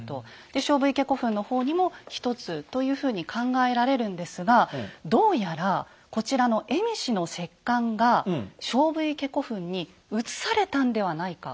で菖蒲池古墳の方にも１つというふうに考えられるんですがどうやらこちらの蝦夷の石棺が菖蒲池古墳に移されたんではないか。